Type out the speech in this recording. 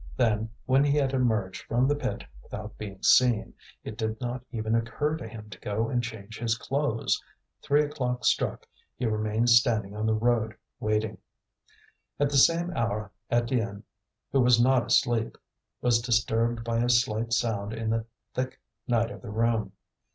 Then, when he had emerged from the pit without being seen, it did not even occur to him to go and change his clothes. Three o'clock struck. He remained standing on the road waiting. At the same hour Étienne, who was not asleep, was disturbed by a slight sound in the thick night of the room.